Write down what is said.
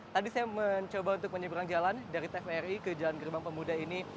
tadi saya mencoba untuk menyeberang jalan dari tvri ke jalan gerbang pemuda ini